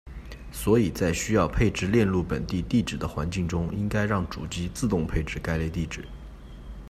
所以在需要配置链路本地地址的环境中应该让主机自动配置该类地址。